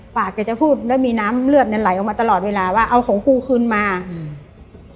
แกจะพูดแล้วมีน้ำเลือดเนี้ยไหลออกมาตลอดเวลาว่าเอาของกูคืนมาอืม